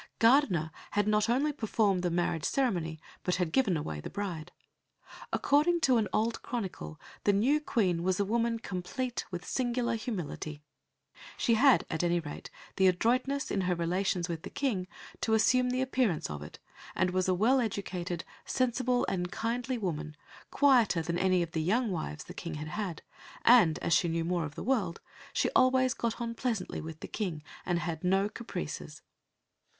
Gardiner had not only performed the marriage ceremony but had given away the bride. According to an old chronicle the new Queen was a woman "compleat with singular humility." She had, at any rate, the adroitness, in her relations with the King, to assume the appearance of it, and was a well educated, sensible, and kindly woman, "quieter than any of the young wives the King had had, and, as she knew more of the world, she always got on pleasantly with the King, and had no caprices."